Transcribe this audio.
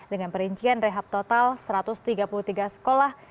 dengan perincian rehab total satu ratus tiga puluh tiga sekolah